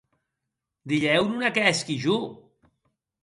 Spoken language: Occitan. Dilhèu non ac hèsqui jo?